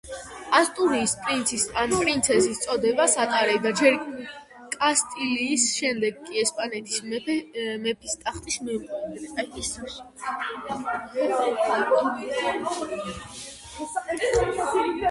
ასტურიის პრინცის, ან პრინცესის წოდებას ატარებდა ჯერ კასტილიის, შემდეგ კი ესპანეთის მეფის ტახტის მემკვიდრე.